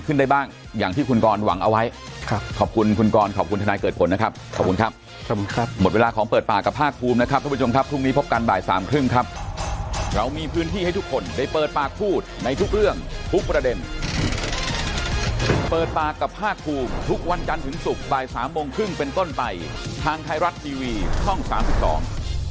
ขอบคุณครับขอบคุณครับหมดเวลาของเปิดปากกับภาคภูมินะครับทุกผู้ชมครับทุกวันนี้พบกันบ่ายสามครึ่งครับเรามีพื้นที่ให้ทุกคนได้เปิดปากพูดในทุกเรื่องทุกประเด็นเปิดปากกับภาคภูมิทุกวันกันถึงศุกร์บ่ายสามโมงครึ่งเป็นต้นไปทางไทยรัตน์ทีวีท่องสามสิบดอง